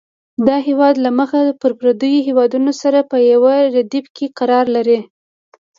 دا هېواد له مخ پر ودې هېوادونو سره په یو ردیف کې قرار لري.